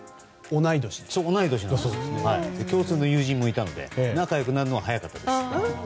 同い年で、共通の友人もいたので、仲良くなるのは早かったです。